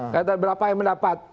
kaitan berapa yang mendapat